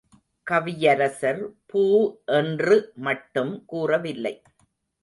கவியரசர் பூ என்று மட்டும் கூறவில்லை.